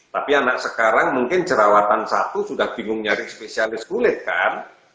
tapi anak sekarang mungkin jerawatan satu sudah bingung nyari spesialis kulit kan